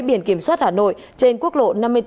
biển kiểm soát hà nội trên quốc lộ năm mươi bốn